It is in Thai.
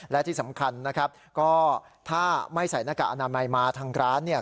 และที่สำคัญนะครับก็ถ้าไม่ใส่หน้ากากอนามัยมาทางร้านเนี่ย